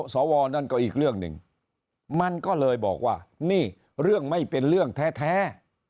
สวนั่นก็อีกเรื่องหนึ่งมันก็เลยบอกว่านี่เรื่องไม่เป็นเรื่องแท้